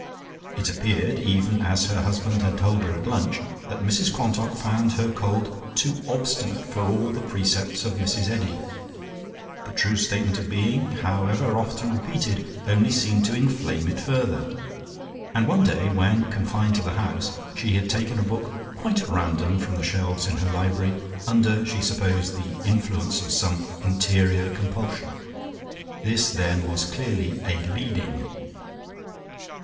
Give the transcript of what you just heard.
It appeared, even as her husband had told her at lunch, that Mrs Quantock found her cold too obstinate for all the precepts of Mrs Eddy; the True Statement of Being, however often repeated, only seemed to inflame it further, and one day, when confined to the house, she had taken a book "quite at random" from the shelves in her library, under, she supposed, the influence of some interior compulsion. This then was clearly a "leading."